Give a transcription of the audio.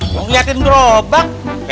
nggak ngeliatin berobak